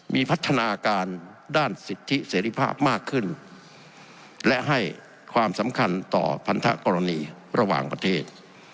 มีพัฒนาการด้านสิทธิเสรีภาพมากขึ้นและให้ความสำคัญต่อพันธกรณีระหว่างประเทศ